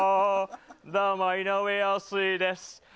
どうも、井上陽水です。